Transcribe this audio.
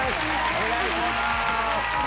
お願いします。